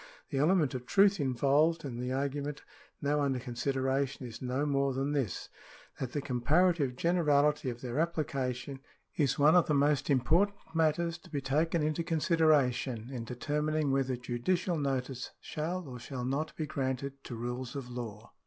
The element of truth involved in the argument now under consideration is no more than this, that the comparative generality of their application is one of the most important matters to be taken into consideration in determining whether judicial notice shall or shall not be granted to rules of law.